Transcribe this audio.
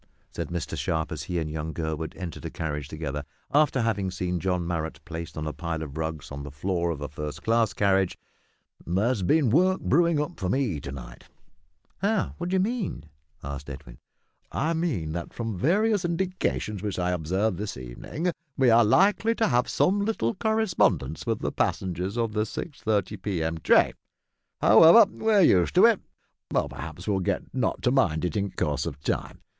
"H'm!" said Mr Sharp, as he and young Gurwood entered a carriage together, after having seen John Marrot placed on a pile of rugs on the floor of a first class carriage; "there's been work brewin' up for me to night." "How? What do you mean?" asked Edwin. "I mean that, from various indications which I observed this evening, we are likely to have some little correspondence with the passengers of the 6:30 p.m. train. However, we're used to it; perhaps we'll get not to mind it in course of time.